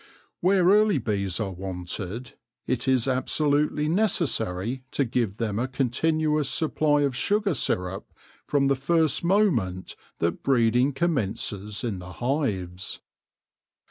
Where early bees are wanted, it is absolutely necessary to give them a continuous supply of sugar syrup from the first moment that breeding com mences in the hives.